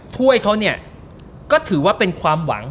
ถ้วยเขาเนี่ยก็ถือว่าเป็นความหวัง